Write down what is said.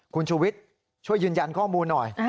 คุณชูวิทย์ช่วยยืนยันข้อมูลหน่อย